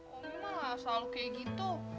oh mah selalu kayak gitu